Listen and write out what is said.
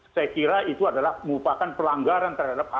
saya kira itu adalah merupakan pelanggaran terhadap